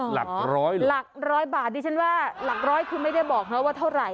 หรอหลัก๑๐๐บาทดีฉันว่าหลัก๑๐๐คือไม่ได้บอกน้อยว่าเท่าไหร่